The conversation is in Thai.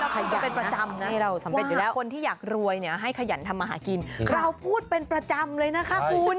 ขายดีเป็นประจำนะคนที่อยากรวยเนี่ยให้ขยันทำมาหากินเราพูดเป็นประจำเลยนะคะคุณ